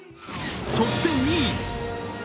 そして２位。